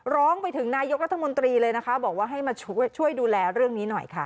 ร้องไปถึงนายกรัฐมนตรีเลยนะคะบอกว่าให้มาช่วยดูแลเรื่องนี้หน่อยค่ะ